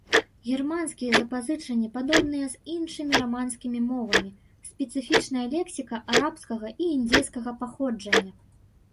Германскія запазычанні падобныя з іншымі раманскімі мовамі, спецыфічная лексіка арабскага і індзейскага паходжання.